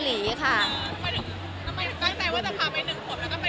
มีใครปิดปาก